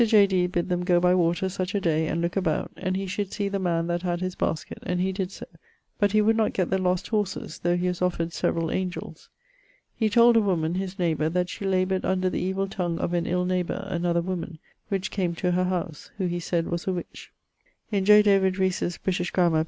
J. Dee bid them goe by water such a day, and looke about, and he should see the man that had his basket, and he did so; but he would not gett the lost horses, though he was offered severall angells. He told a woman (his neighbour) that she laboured under the evill tongue of an ill neighbour (another woman), which came to her howse, who he sayd was a witch. In J. David Rhesus' British Grammar, p.